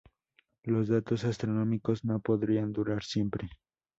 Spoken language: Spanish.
Los datos astronómicos no podrían durar siempre.